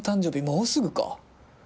もうすぐか。